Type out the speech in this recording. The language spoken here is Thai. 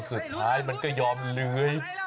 สุดท้ายมันก็ยอมเลื้อย